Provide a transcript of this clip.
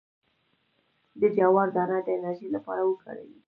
د جوار دانه د انرژي لپاره وکاروئ